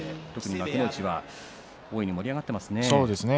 幕内は大いに盛り上がっていますね。